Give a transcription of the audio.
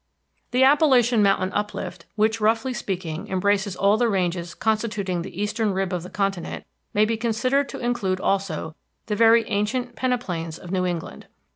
The Appalachian Mountain uplift, which, roughly speaking, embraces all the ranges constituting the eastern rib of the continent, may be considered to include also the very ancient peneplains of New England.